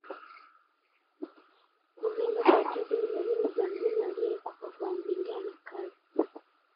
Kuvimba kwa tezi ni dalili za mnyama aliyekufa kwa ndigana kali